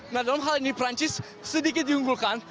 nah dalam hal ini perancis sedikit diunggulkan